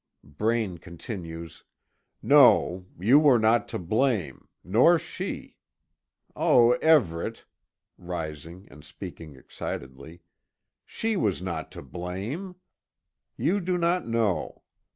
Braine continues: "No, you were not to blame nor she Oh, Everet!" rising and speaking excitedly, "she was not to blame. You do not know.